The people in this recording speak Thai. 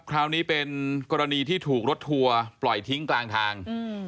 คราวนี้เป็นกรณีที่ถูกรถทัวร์ปล่อยทิ้งกลางทาง